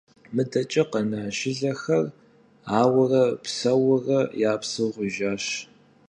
МыдэкӀэ къэна жылэхэр ауэрэ псэуурэ, я псыр гъужащ.